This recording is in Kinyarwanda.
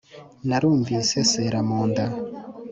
Narumvise nsera mu nda